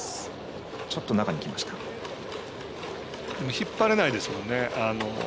引っ張れないですよね。